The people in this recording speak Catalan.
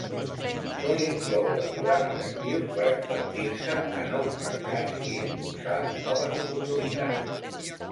Sol incloure programes actius per expandir-se a nous mercats i impulsar noves oportunitats.